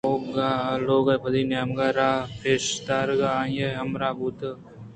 اولگا لوگ ءِ پدی نیمگ ءِ راہ ءِ پیش دارگ ءَ آئی ءِ ہمراہ بوت